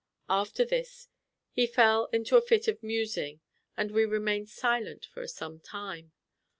After this he fell into a fit of musing, and we remained silent for some time.